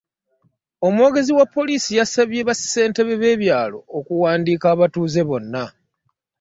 Omwogezi wa poliisi yasabye ba ssentebe be byaalo okuwanduka abatuuze bonna.